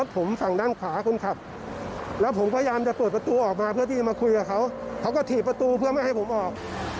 เห็นในคลิปเขาบอกว่าเขามีเด็กอยู่ในรถด้วย